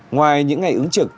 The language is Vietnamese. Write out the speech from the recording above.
ngoài những ngày ứng trực